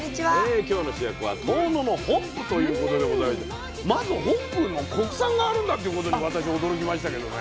今日の主役は「遠野のホップ」ということでございましてまずホップの国産があるんだっていうことに私驚きましたけどね。